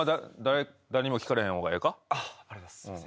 ありがとうございます。